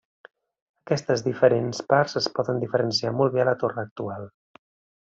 Aquestes diferents parts es poden diferenciar molt bé a la torre actual.